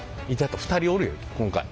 ２人おるよ今回。